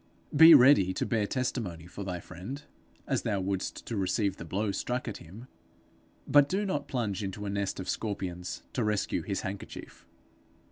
Be ready to bear testimony for thy friend, as thou wouldst to receive the blow struck at him; but do not plunge into a nest of scorpions to rescue his handkerchief.